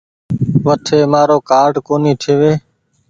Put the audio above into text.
وٺي مآرو ڪآرڊ ڪونيٚ ٺيوي۔